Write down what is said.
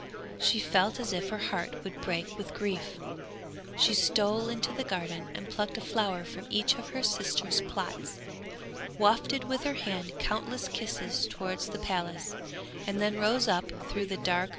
She felt as if her heart would break with grief. She stole into the garden and plucked a flower from each of her sisters' plots, wafted with her hand countless kisses towards the palace, and then rose up through the dark blue water.